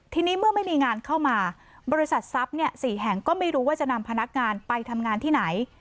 ทีนี้เมื่อไม่มีงานเข้ามาบริษัททรัพย์๔แห่งก็ไม่รู้ว่าจะนำพนักงานไปทำงานที่ไหน